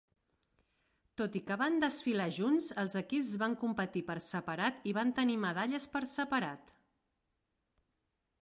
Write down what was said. Tot i que van desfilar junts, els equips van competir per separat i van tenir medalles per separat.